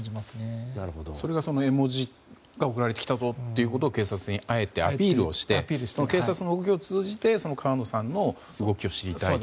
それが絵文字が送られてきたぞというのを警察に、あえてアピールをして警察もそれを通じて川野さんの動きを知りたいと。